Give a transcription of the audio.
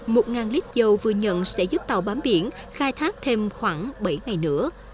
một lít dầu vừa nhận sẽ giúp tàu bám biển khai thác thêm khoảng bảy ngày nữa